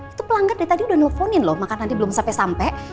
itu pelanggan dari tadi udah nelfonin loh maka nanti belum sampe sampe